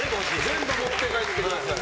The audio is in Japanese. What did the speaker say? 全部持って帰ってください。